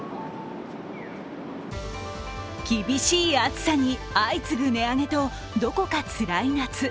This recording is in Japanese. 厳しい暑さに相次ぐ値上げと、どこかつらい夏。